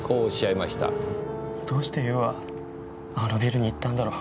どうして優はあのビルに行ったんだろう。